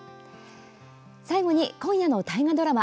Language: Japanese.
最後に今夜の大河ドラマ